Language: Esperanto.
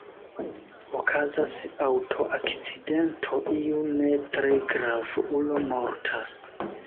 Okazas aŭtoakcidento, iu ne-tre-grav-ulo mortas.